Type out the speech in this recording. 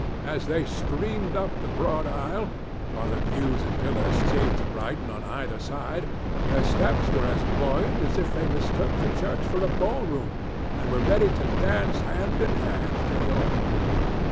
As they streamed up the broad aisle, while the pews and pillars seemed to brighten on either side, their steps were as buoyant as if they mistook the church for a ball room and were ready to dance hand in hand to the altar.